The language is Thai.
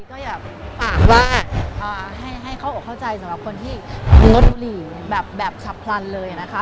ก็อยากฝากว่าให้เข้าอกเข้าใจสำหรับคนที่งดบุหรี่แบบฉับพลันเลยนะคะ